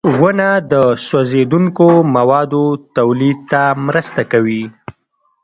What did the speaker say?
• ونه د سوځېدونکو موادو تولید ته مرسته کوي.